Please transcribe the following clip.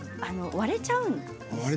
割れちゃうんですね。